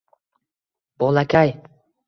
Bolakay